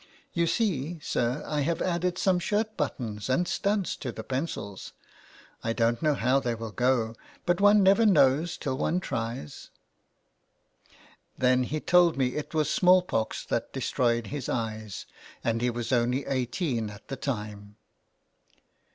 ''" You see, sir, I have added some shirt buttons and studs to the pencils. I don't know how they will go, but one never knows till one tries.'' 275 ALMS GIVING. Then he told me it was small pox that destroyed his eyes, and he was only eighteen at the time.